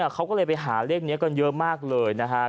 เขาก็เลยไปหาเลขนี้กันเยอะมากเลยนะครับ